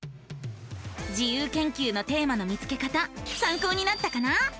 自由研究のテーマの見つけ方さんこうになったかな？